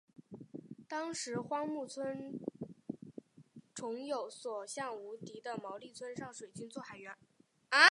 而当时荒木村重有所向无敌的毛利村上水军作海援。